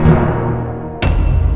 aku mau ke rumah sakit